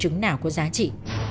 trứng nào có giá trị